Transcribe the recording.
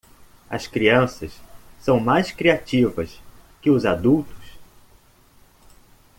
As crianças são mais criativas que os adultos?